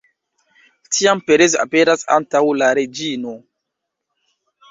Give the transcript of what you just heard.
Tiam Perez aperas antaŭ la reĝino.